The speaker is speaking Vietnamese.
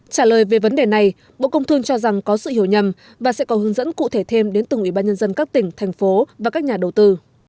trả lời về vấn đề này bộ công thương cho rằng có sự hiểu nhầm và sẽ có hướng dẫn cụ thể thêm đến từng ủy ban nhân dân các tỉnh thành phố và các nhà đầu tư